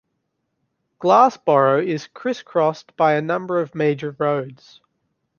Glassboro is crisscrossed by a number of major roads.